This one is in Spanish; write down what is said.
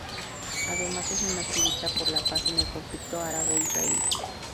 Además es un activista por la paz en el conflicto árabo-israelí.